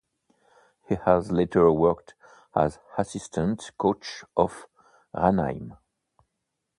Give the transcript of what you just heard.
He has later worked as assistant coach of Ranheim.